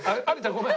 ごめん。